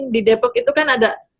di depok itu kan ada